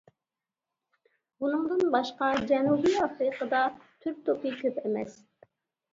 بۇنىڭدىن باشقا، جەنۇبىي ئافرىقىدا تۈر توپى كۆپ ئەمەس.